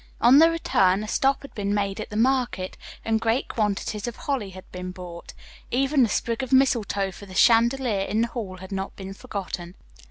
On the return a stop had been made at the market, and great quantities of holly had been bought. Even the sprig of mistletoe for the chandelier in the hall had not been forgotten.